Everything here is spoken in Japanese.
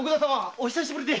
お久しぶりで。